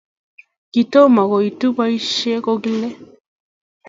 Kitomo koitu boisie kokile